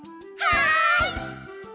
はい！